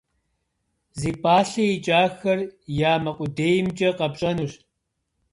Зи пӏалъэ икӏахэр я мэ къудеймкӏи къэпщӏэнущ.